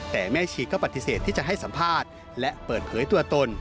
แต่แม่ชีก็ปฏิเสธที่จะให้สัมภาษณ์และเปิดเผยตัวตน